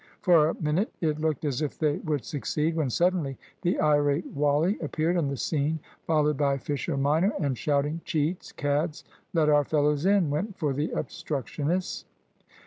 For a minute it looked as if they would succeed; when suddenly the irate Wally appeared on the scene, followed by Fisher minor, and shouting, "Cheats! cads! Let our fellows in!" went for the obstructionists.